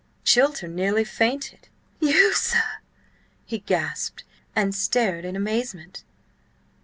Chilter nearly fainted. "You, sir," he gasped, and stared in amazement.